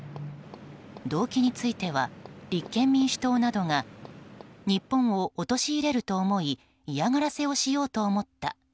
動機については立憲民主党などが日本を陥れると思い嫌がらせをしようと思った。